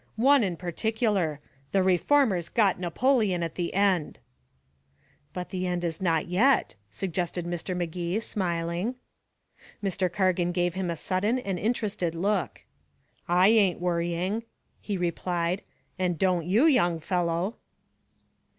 "One in particular. The reformers got Napoleon at the end." "But the end is not yet," suggested Mr. Magee, smiling. Mr. Cargan gave him a sudden and interested look. "I ain't worrying," he replied. "And don't you, young fellow."